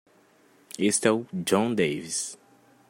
Este é o Jon Davis.